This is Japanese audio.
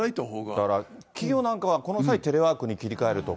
だから企業なんかは、この際テレワークに切り替えるとか。